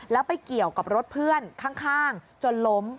แล้วไปเกี่ยวกับรถเพื่อนข้างจนล้ม